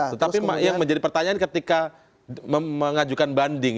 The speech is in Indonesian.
tetapi yang menjadi pertanyaan ketika mengajukan banding